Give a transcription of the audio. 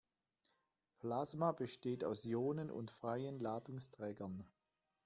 Plasma besteht aus Ionen und freien Ladungsträgern.